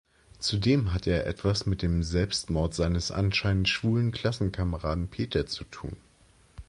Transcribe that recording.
Zudem hat er etwas mit dem Selbstmord seines anscheinend schwulen Klassenkameraden Peter zu tun.